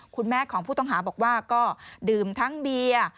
คุณแม่ของผู้ต้องหาบอกว่าก็ดื่มทั้งเบียร์